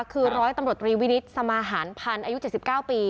คือร้อยตำรวจตรีวินิตสมาหารพันธ์อายุ๗๙ปี